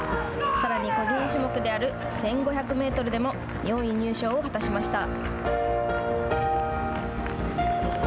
さらに個人種目である１５００メートルでも４位入賞を果たしました。